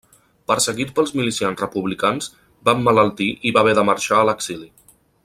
Perseguit pels milicians republicans, va emmalaltir i va haver de marxar a l'exili.